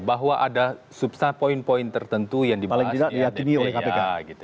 bahwa ada substansi poin poin tertentu yang dibahas oleh dpr